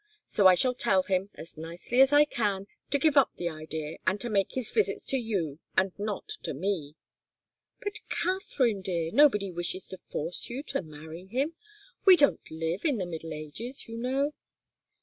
So I shall tell him, as nicely as I can, to give up the idea, and to make his visits to you, and not to me." "But, Katharine, dear nobody wishes to force you to marry him. We don't live in the Middle Ages, you know."